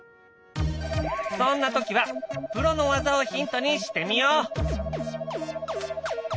そんな時はプロの技をヒントにしてみよう！